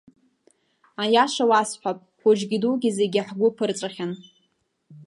Аиаша уасҳәап, хәыҷгьы-дугьы зегьы ҳгәы ԥырҵәахьан.